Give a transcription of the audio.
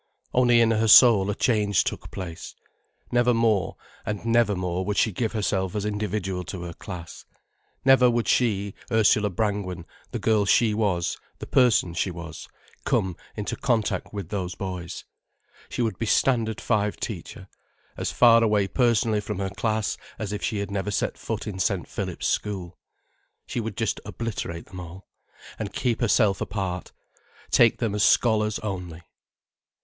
Only in her soul a change took place. Never more, and never more would she give herself as individual to her class. Never would she, Ursula Brangwen, the girl she was, the person she was, come into contact with those boys. She would be Standard Five teacher, as far away personally from her class as if she had never set foot in St. Philip's school. She would just obliterate them all, and keep herself apart, take them as scholars only.